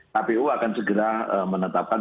kpu akan segera menetapkan